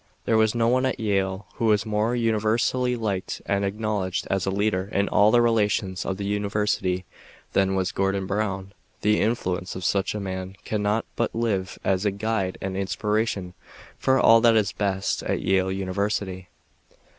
There was no one at Yale who was more universally liked and acknowledged as a leader in all the relations of the University than was Gordon Brown. The influence of such a man cannot but live as a guide and inspiration for all that is best at Yale University.